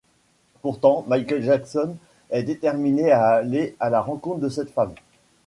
Pourtant, Michael Jackson est déterminé à aller à la rencontre de cette femme.